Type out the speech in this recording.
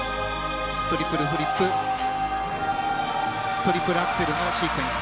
トリプルフリップトリプルアクセルのシークエンス。